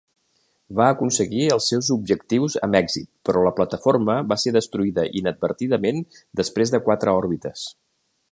Va aconseguir els seus objectius amb èxit, però la plataforma va ser destruïda inadvertidament després de quatre òrbites.